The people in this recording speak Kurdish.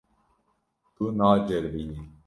Tu naceribînî.